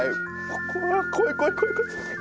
こわ怖い怖い怖い怖い。